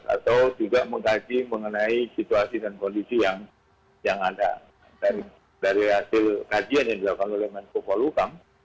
atau juga mengkaji mengenai situasi dan kondisi yang ada dari hasil kajian yang dilakukan oleh menko polukam